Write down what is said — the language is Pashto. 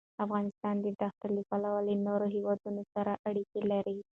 افغانستان د دښتې له پلوه له نورو هېوادونو سره اړیکې لري.